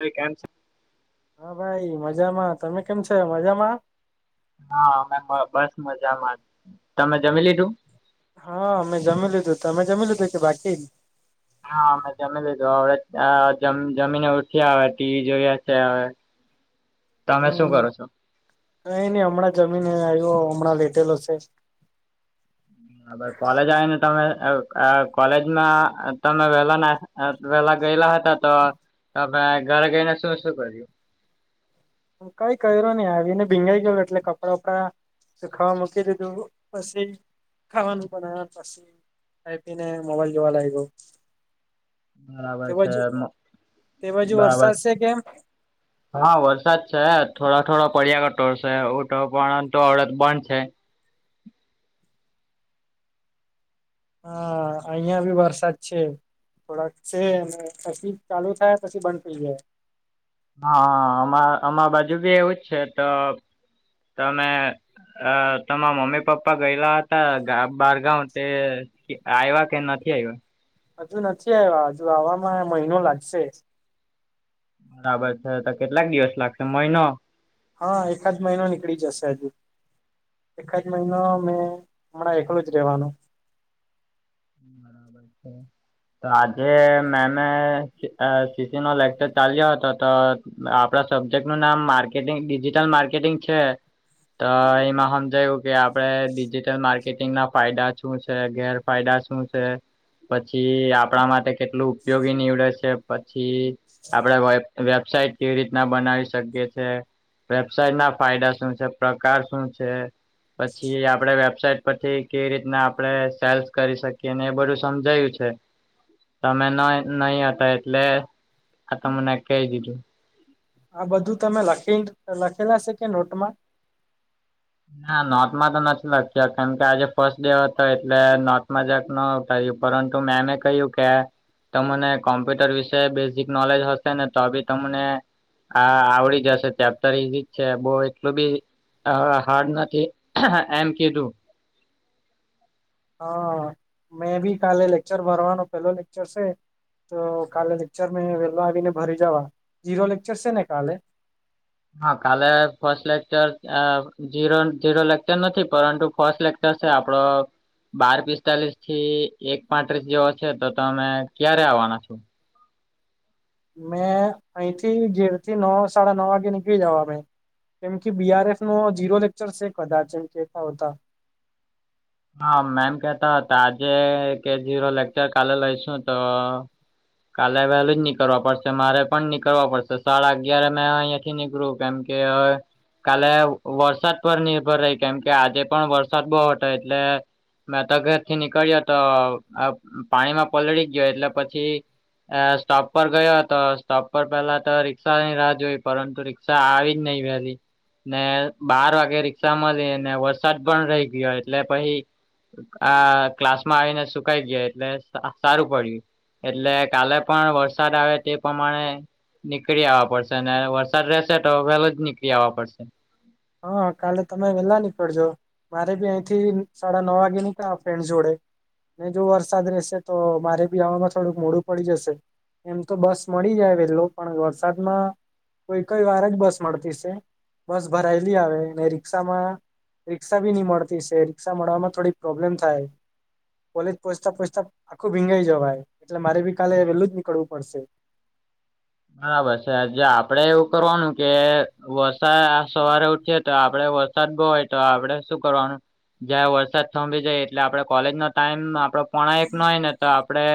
[unintelligible] કેમ છે? હા ભાઈ મજામાં તમે કેમ છો મજામાં. હા અમે બ બસ મજામાં તમે જમી લીધું. હા મે જમી લીધું, તમે જમી લીધું કે બાકી? હા મે જમી લીધું અવે જમ જમીને ઉઠયા હવે ટીવી જોયે છે હવે. તમે શું હમ કરો છો? કઈ ની હમણાં જમી ને આયવો હમણાં લેટેલો છે. બરાબ કોલેજ આવીન તમે અ આ કોલેજમાં તમે વહેલા ના [unintelligible] પેલા ગયેલા હતા તો તમે ઘરે ગઈને શું શું કર્યું? કઈ કર્યો નહી આવીને ભીંગાઈ ગયો એટલે કપડાં વપડા શુખાવા મૂકી દીધું પછી ખાવાનું બના પછી. આઈપી ને મોબાઈલ જોવા લાયગો. બરાબર તે છે બાજુ, મ- તે બાજુ વરસાદ છે કે? હ. હા વરસાદ છે થોડા થોડા પડ્યા કળટોશે ઉ તો પણ તો આવડત બંધ છે. હા અહિયાં ભી વરસાદ છે. થોડાક છે અને પછી ચાલુ થાય પછી બંધ થઈ જાય. હા અમા અમા બાજુ બી એવું જ છે તો તમે અ તમારા મમ્મી પપ્પા ગયેલા હતા બારગાવ તે આવ્યા કે નથી આવ્યા? હજુ નથી આવ્યા હજુ આવામાં મહિનો લાગશે. બરાબર છે તો કેટલાક દિવસ લાગશે મહિનો? હા એકાદ મહિનો નીકળી જશે હજુ. એકાદ મહિનો મે હમણાં એકલો જ રહેવાનું. હમ બરાબર છે. તો આજે મેમે અ સીસી નો લેકચર ચાલ્યો હતો તો આપડા સબ્જેક્ટ નું નામ માર્કેટિંગ ડિજિટલ માર્કેટિંગ છે. તો એમાં હમજાયવુ કે આપણે ડિજીિટલ માર્કેટિંગ ના ફાયદા શું છે ગેરફાયદા. શું છે. પછી આપણા માટે કેટલું ઉપયોગી નીવડે છે પછી આપડે વે વેબસાઇટ કેવી રીતના બનાવી શકીએ છે. વેબસાઇટ ના ફાયદા શું છે, પ્રકાર શું છે? પછી આપડે વેબસાઇટ પરથી કેવી રીતના આપડે સેલ્સ કરી શક કેને એ બધું સમજાયું છે. તમે ન નહી હતા એટલે આ તમને કેઈ દીધું. આ બધું તમે લખી લખેલા શે કે નોટમાં? ના નોટમાં તો નથી લખત કારણ કે આજે ફર્સ્ટ ડે હતો એટલે નોટમાં જાકનો કહ્યું પરંતુ મેંમે કહ્યું કે તમને કોમ્પ્યુટર વિશે બેઝિક નોલેજ હશે ને તો બી તમને આ આવડી જશે ચેપ્ટર ઇઝી જ છે બહ એટલું બી હાડ નથી એમ કીધું. હા મેં ભી કાલે લેક્ચર ભરવાનો પેલો લેક્ચર છે. તો કાલે લેક્ચર મે વેલો આવીને ભરી જવા જીરો લેક્ચર છે ને કાલે? હા કાલે ફર્સ્ટ લેક્ચર જીરો લેક્ચર નથી પરંતુ ફર્સ્ટ ચર છે આપડો બાર પિસ્તાલીસ થી એક પાંત્રીસ જેવો છે તો તમે ક્યારે આવવાના છો? મેં અહીંથી ગેર થી નવ સાડા નવ વાગે નીકળી જવા મે. કેમ કે બી આર એફ નો જીરો લેક્ચર છે કદાચ એમ કેતાહુતા. આ મેમ કેતા હતા આજે કે જીરો લેક્ચર ચાલે લઈશું તો કાલે વહેલું જ નીકળવા પડશે મારે પણ નીકળવા પડશે સાડા અગિયાર મેં અહીયા થી નીકળ્યું કેમ કે કાલે વરસાદ પર નિર્ભર રહી કેમ કે આજે પણ વરસાદ બહુ હટો એટલે મે તો ઘર થી નીકળ્યો તો પાણીમાં પલળી ગયો એટલે પછી એ સ્ટોપ પર ગયો હતો સ્ટોપ પર પેલા તો રિક્ષા ની રાહ જોઈ પરંતુ રી [inaudible] આવીજ નહીિ વેહલી. ને બાર વાગે રિક્ષા મળીને વરસાદ પણ રહી ગયો એટલે પછી આ ક્લાસ માં આવીને સુકાઈ ગયા એટલે સારું પડ્યું. એટલે કાલે પણ વરસાદ આવે તે પ્રમાણે નીકળી આવવા પડશે ને વરસાદ રહેશે તો વેલો જ નીકળી આવવા પડશે. હા કાલે તમે વેલા નીકળજો. મારે બી અહીંથી સાડા નવ વાગે નીકળા ફ્રેન્ડ જોડે. ન જો વરસાદ રેશે તો મારે બી આવામાં થોડુંક મોડું પડી જશે. એમ તો બસ મળી જાય વેલુ પણ વરસાદમાં કોઈક જ વાર જ બસ મળતી સે. ભરાયેલી આવે ને રિક્ષામાં રિક્ષા બી ની મળતી સે રિક્ષા મળવાવામાં થોડીક પ્રોબ્લેમ થાય. કોલેજ પોચતા પોચતા આખું ભીંજાઈ જવાય એટલે મારે બી કાલે વેલું જ નીકળવું પડશે. બરાબર છે જે આપડે એવું કરવાનું કે વરસાદ સવારે ઉઠીએ તો આપડે. વરસાદ બો હોય તો આપડે શું કરવાનું જયારે વરસાદ થંભી જાય એટલે આપડે કોલેજ નો ટાઈમ આપડો. પોણા એક નય ને તો આપડે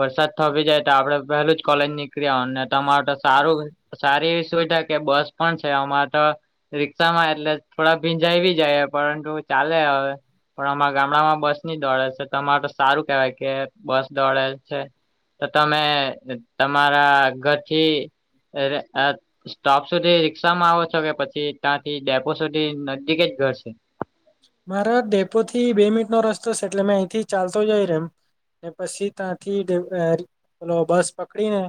વરસાદ થોભી જાય તો આપડે પહેલું જ કોલેજ નીકળી આવાનું. તમારે તો સારું સારી એવી સુવિધા કે બસ પણ છે અમારે તો. રિક્ષામાં એટલે થોડા ભીંજાય વી જાય પરંટુ ચાલે હવે પણ અમારા ગામડામાં બસ ની દોડે છે તમારે તો સારું કેવાય કે બસ દોડે છે. તો તમે તમારા ઘરથી ર અ સ્ટોપ સુધી રિક્ષામાં આવો છો કે પછી તાંથી ડેપો સુધી નજદીકે જ ઘર છે. મારા ડેપો થી બે મિનિટનો રસ્તો સે એટલે મેં અહીંથી ચાલતો જેય રેમ. ને પસી તાંથી ડે પેલો બસ પકડીને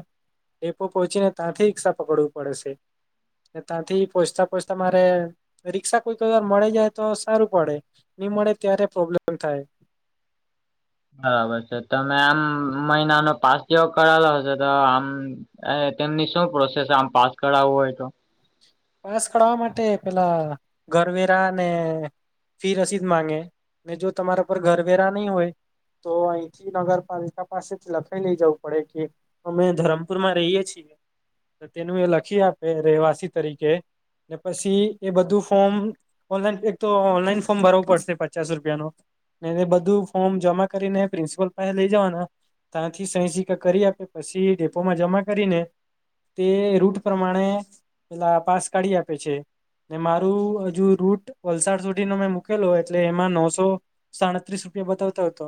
ડેપો પહોંચીને તાંથી રિક્ષા પકડવું પડે સે તો તાંથી પોસતા પોસતા મારે રી્ષા કોઈ કોઈ વાર મળી જાય તો સારું પડે ની મડે ત્યારે પ્રોબ્લેમ થાય બરાબર છે તમે આમ મહિનાનો પાસ જેવો કઢાવેલો હોતે તો આમ અ તેમની શું પ્રોસેસ આમ પાસ કઢાવવો હોય તો પાસ કઢાવવા માટે પેલા ઘરવેરા ને ફી રસીદ માંગે ને જો તમારા પર ઘર વેરા ની હોય તો અઈથી નગરપાલિકા પાસેથી લખાઈ લઈ જવું પડે કે અમે ધરમપુરમાં રઈએ છીએ તો તેનું એ લખી આપે રહેવાસી તરીકે ને પસી એ બધું ફોર્મ ઓનલાઈન એક તો ઓનલાઈન ફોર્મ ભરવું પડશે પચાસ રૂપિયાનું એને બધું ફોર્મ જમા કરીને પ્રિન્સિપલ પાંહે લઈ જવાના તાંથી સહી સિક્કા કરી આપે પસી ડેપોમાં જમા કરીને તે રૂટ પ્રમાણે પેલા પાસ કાઢી આપે છે. ને મારું અજુ રૂટ વલસાડ સુધીનો મેં મૂકેલો એટલે એમાં નોસો સાડત્રીસ રૂપિયા બતાવતો અતો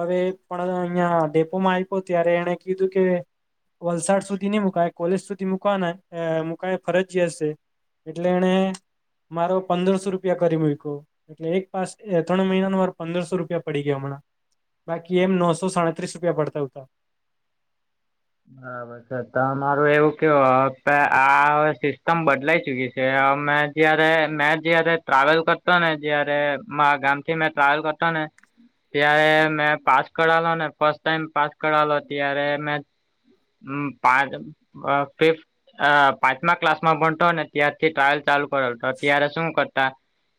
અવે પણ અઈયાં ડેપોમાં આયપો ત્યારે એણે કીધું કે વલસાડ સુધી ની મુૂકાય કોલેજ સુધી મુકાના એ કઈ ફરજી હશે એટલે એને મારો પંદરસો રૂપિયા કરી મૂયકુ એટલે એક પાસે એ ત્રણ મહિના નો પંદરસો રૂપિયા પડી ગયા હમણાં. બાકી એમ નોસો સાડત્રીસ રૂપિયા પડતા હુતા. હા બા અચ્છા તમારું એવું કેવું આ સિસ્ટમ બદલાઈ ચુકી છે અમે. જયારે મેં જયારે ટ્રાવેલ કરતો ને જયારે મારા ગામ થી મેં ટ્રાવેલ કરતો ને. ત્યારે મેં પાસ કરાવલો ને ફસ્ટ ટાઈમ પાસ કરાવલો ત્યારે મે. હમ્મ પાંચ ફિફ અ પાંચમા ક્લાસમાં ભણતોને ત્યારથી ટ્રાવલ ચાલુ કરેલુ ત્યારે શું કરતા.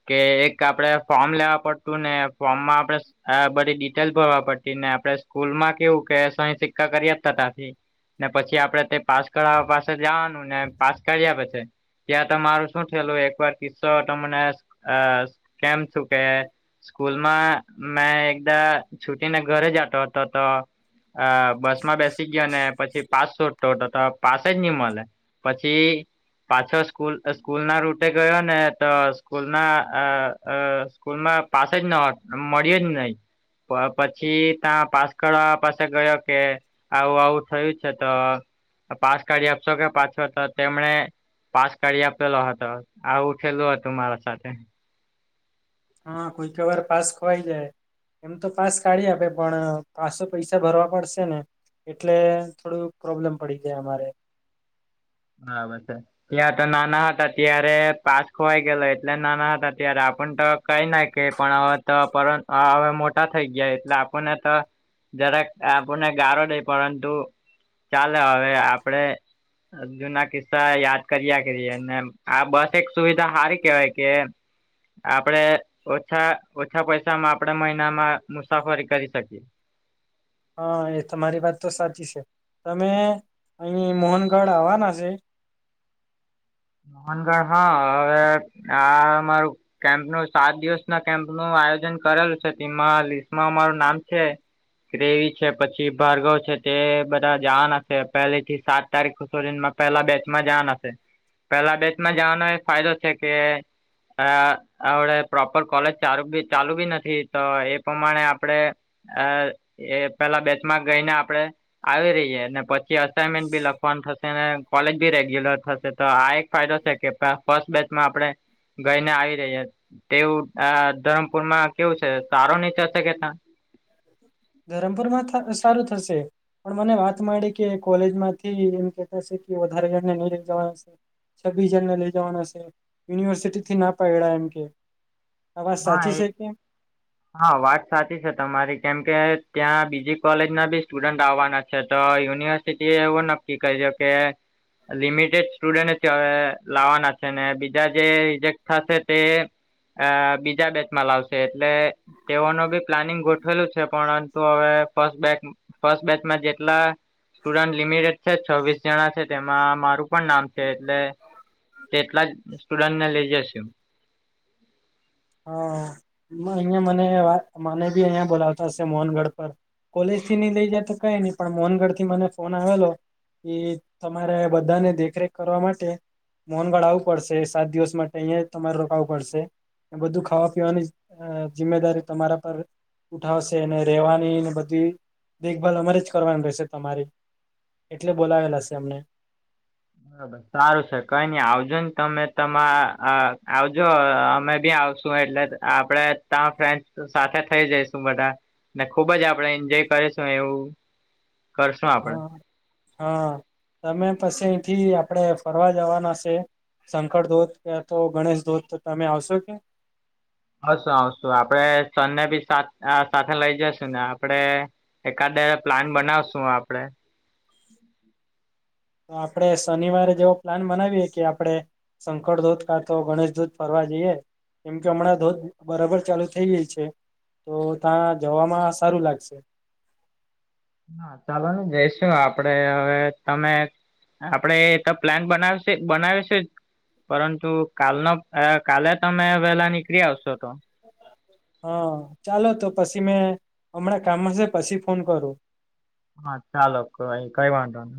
કે એક આપડે ફોર્મ લેવા પડતું ને ફોર્મમાં આપડે આ બધી ડિટેલ ભરવા પડતી ને આપડે સ્કૂલ માં કેવું કે સહી સિક્કા કરી આપતા ત્યાં થી ને પછી આપડે તે પાસ કરવા પાસે જવાનું ને પાસ કરી આપે છે ત્યાં તમારું શું થયેલું એકવાર કિસ્સો તમનેઅ કેમ છું કે સ્કૂલમાં મેં એકદા છુટીને ઘરે જતો તો તો અ બસ માં બેસી ગયો ને પછી પાસ સોટો તો પાસ જ ની મળે પછી પાછો સ્કૂલ સ્કૂલ ના રૂટે ગયો ને તો સ્કૂલ ના અ અ સ્કૂલ માં પાસ જ ન હો મળ્યો જ નહી પછી તા પાસ કરવા પાસે ગયો કે આવું આવું થયું છે તો પાસ કાઢી આપશો કે પાછો તો તેમને પાસ કરી આપેલો હતો આવું થઈલું હતું મારા સાથે. હા કોઈ ક વાર પાસ ખોવાઈ જાય. એમ તો પાસ કાઢી આપે પણ પાસો પૈસા ભરવા પડશે ને? એટલે થોડું પ્રોબ્લેમ પડી જાય અમારે બરાબર છે. ત્યાં તો નાના હટા અત્યારે પાસ ખોવાય ગેલો એટલે નાના હટા ત્યારે આપણ તો કઈ ના કે પણ હ તો હવે મોટા થઈ ગયા એટલે આપણને તો જરાક આપણને ગારો દઈ પરંતુ ચાલે હવે આપડે જુના કિસ્સા યાદ કરયા કરીએ ને આ બસ એક સુવિધા હારી કેવાય કે આપણેે ઓછા ઓછા પૈસામાં આપણે મહિનામાં મુસાફરી કરી શકીએ. હા એ તમારી વાત તો સાચી સે, તમે અહીં મોહનગઢ આવવાના સે. મોહનગઢ હા અવે આ મારું કેમ્પનું સાત દિવસ ના કેમ્પનું આયોજન કરેલું છે તીમાં લિસ્ટમાં અમારું નામ છે. ગ્રેવી છે પછી ભાર્ગવ છે તે બધા જાવાના છે પહેલી થી સાત તારીખ સુધીનમાં પહેલા બેચમાં જવાના છે. પહેલા બેચમાં જવાનો એ ફાયદો છે કે આ હવડે પ્રોપર કોલેજ ચાલુ બી ચાલુ બી નથી તો એ પ્રમાણે આપડે અ એ પેલા બેચમાં ગઈને આપડે આવી રહીએ ને પછી અસઇનમેન્ટ બી લખવાનું થશે ને કોલેજ બી રેગ્યુલર થશે તો આ એક ફાયદો છે કે [inaudible] ફર્સ્ટ બેચમાં આપણે ગઈને આવી રિયે તેવું આ ધરમપુરમાં કેવું છે, સારો ની થશે કે તા? ધરમપુરમાં થ સારું થશે. પણ મને વાત મળી કે કોલેજમાંથી એમ કેતા સે કે વધારે [inaudible] નઈ લઈ જવાસે. છબીસ જણને લઈ જવાના સે યુનિવર્સિટીથી ના પાયડા એમ કેય. હા એ હા વાત સાચી છે તમારી કેમ કે ત્યાં બીજી કોલેજ ના સ્ટુડન્ટ આવવાના છે તો યુનિવર્સિટી એ એવું નક્કી કર્યું કે લિમિટેડ સ્ટુડન્ટ લાવવાના છે ને બીજાજે રિજેક્ટ થશે તે અ બીજા બેચમાં લાવશે એટલે તેઓનું બી પ્લાનિંગ ગોઠવેલું છે પરંતુ હવે ફસ્ટ બેચ ફસ્ટ બેચમાં જેટલા સ્ટુડન્ટ લિમિટેડ છે છવવીસ જણા છે તેમાં મારું પણ નામ એટલે કેટલા જ સ્ટુડન્ટને લઈ જશું. હા અહિયાં મને મને ભી અહિયાયા બોલાતાશે મોહનગઢ પર. કોલેજથી નઈ લઈ જાય તો કઈ નહી મોનગઢ થી મને ફોન આવેલો એ તમારે બધાને દેખરેખ કરવા માટે મન ગળાવવું પડશે સાત દિવસ માટે અહીિયાયા તમારે રોકાવું પડશે. બધું ખાવા પીવાની જિમ્મેદારી તમારા પર ઉઠાવશે રહેેવાની ને બધી દેખભાલ અમારેજ કરવાની રહેશે તમારી. એટલે બોલાવેલા છે અમને હા બસ. સારું છે કઈ નઈ આવજો ને તમે તમા આવજો અમે બી આવશું એટલે આપડે તા ફ્રેન્ડ સાથે થઇ જઈશું બધા. ને ખુબ જ આપણે એન્જોય કરીશું એવું કરશું આપડે હા હા તમે પછી અથી આપણેે ફરવા જવાના છે. શંકર ધોધ કે તો ગણેશ ધોધ તમે આવશો કે? હશું આવશું આપડે સનને બી સાથે લઈ જશું ને આપડે એકાદ પ્લાન બનાવશુ આપડે. તો આપડે શનિવારે જેવો પ્લાન બનાવીએ કે આપડે શંકર ધોધ કાતો ગણેશ ધોધ ફરવા જઈએ. કેમ કે હમણાં ધોધ બરાબર ચાલુ થઇ ગઈ છે. તો ત્યાં જવામાં સારું લાગશે. હા ચાલો ને જઈશું આપડે હવે તમે આપણેે એ તો પ્લાન બનાવશે બનાવીશું જ પરંતુ કાલનો અ કાલે તમે વેલા નીકળી આવશો તો. હા ચાલો તો પછી મેં હમણાં કામમાં છે પછી ફોન કરું. હા ચાલો કઈ કઈ વાંધો ન.